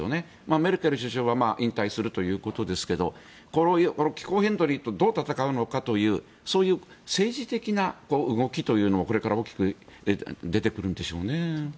メルケル首相は引退するということですが気候変動とどう闘うのかというそういう政治的な動きというのがこれから出てくるんでしょうね。